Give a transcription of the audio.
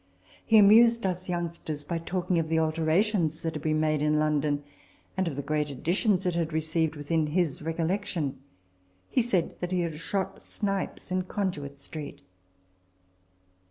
He amused us youngsters by talking of the alterations that had been made in London and of the great additions it had received within his recollection. He said that he had shot snipes in Conduit Street